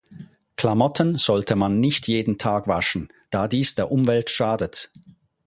Klamotten sollte man nicht jeden Tag waschen, da dies der Umwelt schadet.